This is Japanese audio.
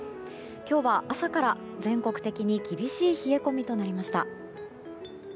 今日は、朝から全国的に厳しい冷え込みとなりました。